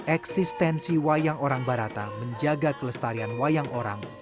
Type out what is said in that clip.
eksistensi wayang orang barata menjaga kelestarian wayang orang